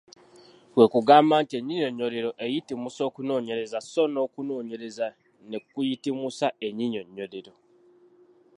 Kwe kugamba nti ennyinyonnyolero eyitimusa okunoonyereza so n’okunoonyereza ne kuyitimusa ennyinyonnyolero.